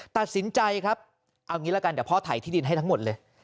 ตัดสินใจครับเอางี้ละกันเดี๋ยวพ่อถ่ายที่ดินให้ทั้งหมดเลย